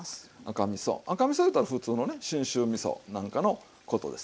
赤みそいうたらふつうのね信州みそなんかのことです。